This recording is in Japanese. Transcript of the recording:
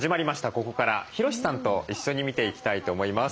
ここからヒロシさんと一緒に見ていきたいと思います。